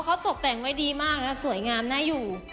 เขาตกแต่งไว้ดีมากนะสวยงามน่าอยู่